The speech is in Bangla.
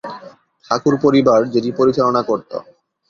ঠাকুর পরিবার যেটি পরিচালনা করত।